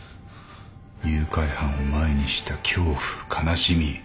誘拐犯を前にした恐怖悲しみ。